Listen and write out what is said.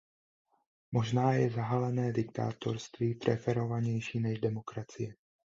Možná je zahalené diktátorství preferovanější než demokracie.